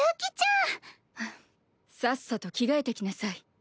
んっさっさと着替えてきなさい。